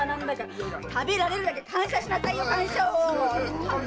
食べられるだけ感謝しなさいよ感謝を！